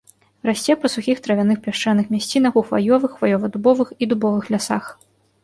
Расце па сухіх травяных пясчаных мясцінах у хваёвых, хваёва-дубовых і дубовых лясах.